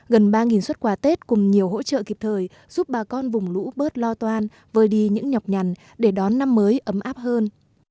gần ba xuất quà tết cùng nhiều hỗ trợ kịp thời giúp bà con vùng lũ bớt lo toan vơi đi những nhọc nhằn để đón năm mới ấm áp hơn